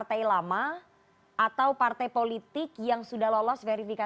tim liputan cnn indonesia